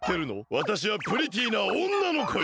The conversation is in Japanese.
わたしはプリティーなおんなのこよ！